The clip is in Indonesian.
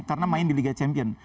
karena main di liga champion